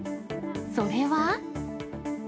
それは。